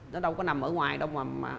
nó đâu có nằm ở ngoài đâu mà